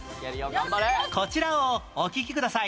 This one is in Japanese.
こちらをお聴きください